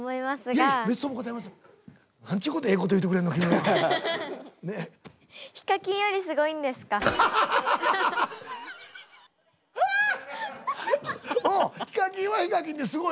おうＨＩＫＡＫＩＮはＨＩＫＡＫＩＮですごいな。